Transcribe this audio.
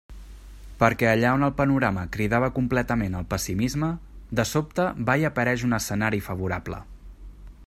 Perquè allà on el panorama cridava completament al pessimisme, de sobte va i apareix un escenari favorable.